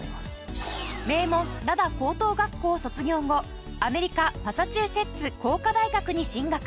名門灘高等学校を卒業後アメリカマサチューセッツ工科大学に進学。